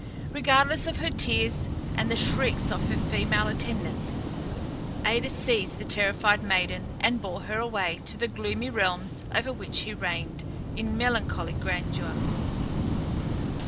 Regardless of her tears and the shrieks of her female attendants, Aïdes seized the terrified maiden, and bore her away to the gloomy realms over which he reigned in melancholy grandeur.